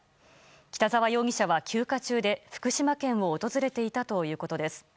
北澤容疑者は休暇中で福島県を訪れていたということです。